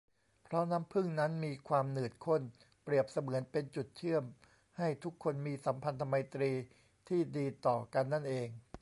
เพราะน้ำผึ้งนั้นมีความหนืดข้น เปรียบเสมือนเป็นจุดเชื่อมให้ทุกคนมีสัมพันธไมตรีที่ดีต่อกันนั่นเอง